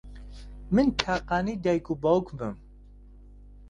من تاقانەی دایک و باوکمم.